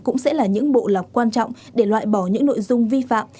cũng sẽ là những bộ lọc quan trọng để loại bỏ những nội dung vi phạm